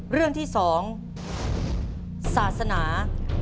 เรื่องที่๒ศาสนา